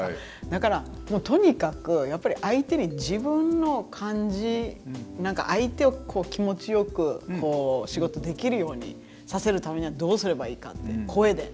だからもうとにかくやっぱり相手に自分の感じ何か相手を気持ちよくこう仕事できるようにさせるためにはどうすればいいかって声で。